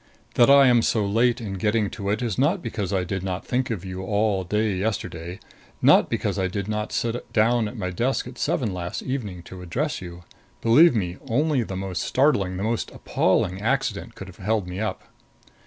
That I am so late in getting to it is not because I did not think of you all day yesterday; not because I did not sit down at my desk at seven last evening to address you. Believe me, only the most startling, the most appalling accident could have held me up.